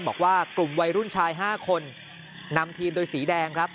บอกว่ากลุ่มวัยรุ่นชาย๕คนนำทีมโดยสีแดงครับ